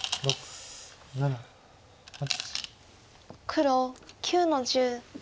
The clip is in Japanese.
黒９の十。